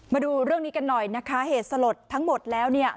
มาดูเรื่องนี้กันหน่อยนะคะเหตุสลดทั้งหมดแล้วเนี่ย